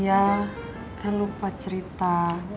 saya lupa cerita